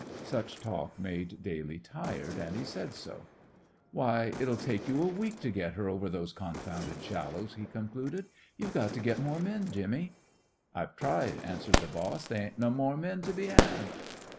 Such talk made Daly tired, and he said so. "Why, it'll take you a week to get her over those confounded shallows," he concluded. "You got to get more men, Jimmy." "I've tried," answered the boss. "They ain't no more men to be had."